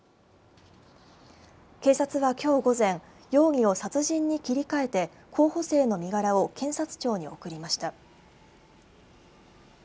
警察はきょう午前容疑を殺人に切り替えて候補生の身柄を検察庁に送りました。